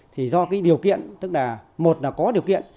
thì do cái điều kiện tức là một là có điều kiện